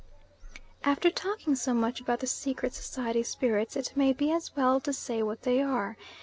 After talking so much about the secret society spirits, it may be as well to say what they are.